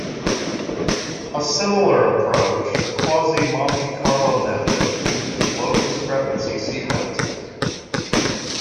A similar approach, the quasi-Monte Carlo method, uses low-discrepancy sequences.